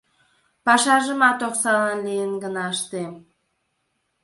Пашажымат оксалан лийын гына ыштем.